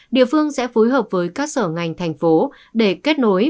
địa phương sẽ phối hợp với các sở ngành thành phố để kết nối